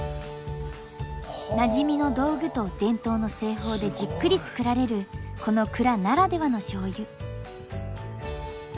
なじみの道具と伝統の製法でじっくり造られるこの蔵ならではの醤油。